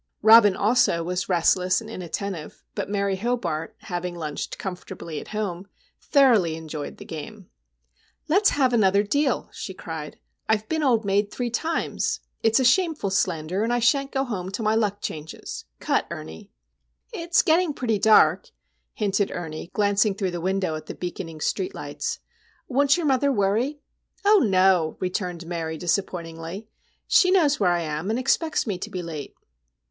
Robin also was restless and inattentive; but Mary Hobart, having lunched comfortably at home, thoroughly enjoyed the game. "Let's have another deal," she cried. "I've been Old Maid three times! It's a shameful slander, and I shan't go home till my luck changes. Cut, Ernie!" "It's getting pretty dark," hinted Ernie, glancing through the window at the beaconing streetlights. "Won't your mother worry?" "Oh, no," returned Mary, disappointingly. "She knows where I am, and expects me to be late."